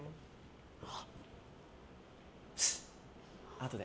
あとで。